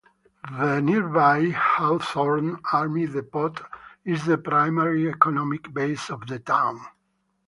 The nearby Hawthorne Army Depot is the primary economic base of the town.